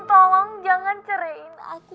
tolong jangan ceraiin aku